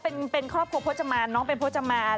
เป็นครอบครัวพจมานน้องเป็นพจมาน